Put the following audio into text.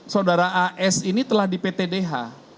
saudara as ini telah di pt dh